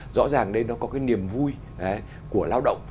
rõ ràng đây nó có cái niềm vui của lao động